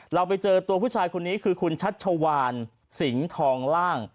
เราไปเจอตัวผู้ชายคนนี้คือคุณชัชวานสิงห์ทองล่าง